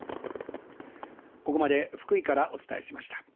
ここまで福井からお伝えしました。